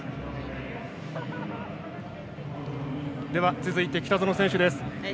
続いて、北園選手です。